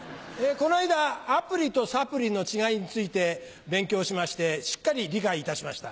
この間アプリとサプリの違いについて勉強しましてしっかり理解いたしました。